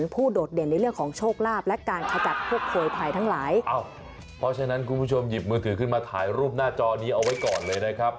เพราะฉะนั้นคุณผู้ชมหยิบมือถือขึ้นมาถ่ายรูปหน้าจอนี้เอาไว้ก่อนเลยนะครับ